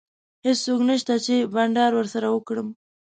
هیڅوک نشته چي بانډار ورسره وکړم.